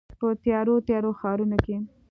په تیارو، تیارو ښارونو کې